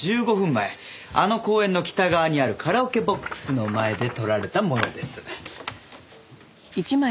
前あの公園の北側にあるカラオケボックスの前で撮られたものです。